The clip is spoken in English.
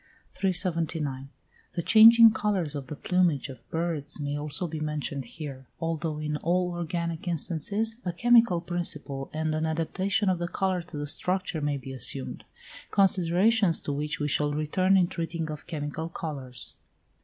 379. The changing colours of the plumage of birds may also be mentioned here, although in all organic instances a chemical principle and an adaptation of the colour to the structure may be assumed; considerations to which we shall return in treating of chemical colours.